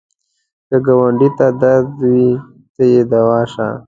که ګاونډي ته درد وي، ته یې دوا شه